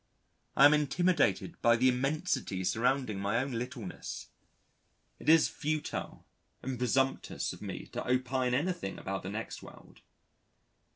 I am intimidated by the immensity surrounding my own littleness. It is futile and presumptuous for me to opine anything about the next world.